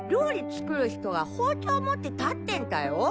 作る人が包丁持って立ってんタよ。